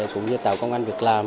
cũng như tàu công an việc làm